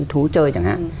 thú chơi chẳng hạn